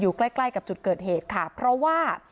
ใกล้ใกล้กับจุดเกิดเหตุค่ะเพราะว่า